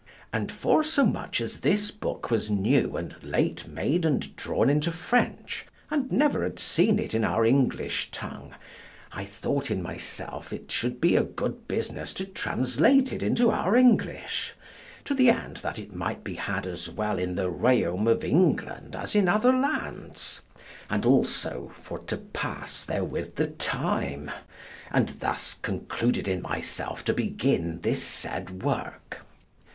And for so much as this book was new and late made and drawn into French, and never had seen it in our English tongue, I thought in myself it should be a good business to translate it into our English, to the end that it might be had as well in the royaume of England as in other lands, and also for to pass therewith the time, and thus concluded in myself to begin this said work.